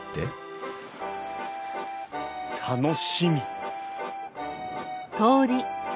楽しみ。